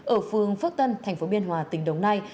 ở phương phước tân tp biên hòa tỉnh đồng nai